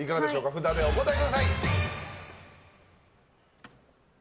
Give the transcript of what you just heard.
札でお答えください！△。